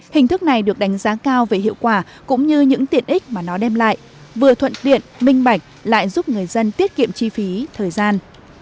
hình thức này được đánh giá cao về hiệu quả cũng như những tiện ích mà nó đem lại vừa thuận tiện minh bạch lại giúp người dân tiết kiệm chi phí thời gian